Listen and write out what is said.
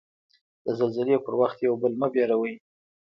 د زلزلې په وخت یو بل مه ډاروی.